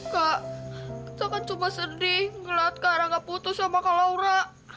kak itu kan cuma sedih ngeliat ke arah gak putus sama kak laura